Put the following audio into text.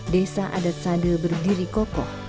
desa adat sade berdiri kokoh